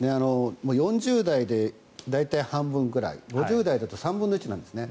４０代で大体半分ぐらい５０代だと３分の１なんですね。